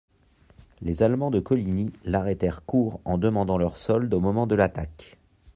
Les Allemands de Coligny l'arrêtèrent court en demandant leur solde au moment de l'attaque.